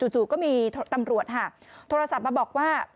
จู่ก็มีตำรวจค่ะโทรศัพท์มาบอกว่า